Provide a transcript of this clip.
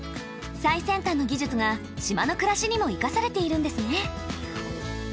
最先端の技術が島の暮らしにも生かされているんですね。